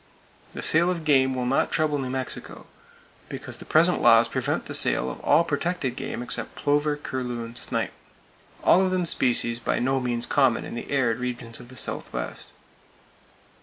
The sale of game will not trouble New Mexico, because the present laws prevent the sale of all protected game except plover, curlew and snipe,—all of them species by no means common in the arid regions of the Southwest.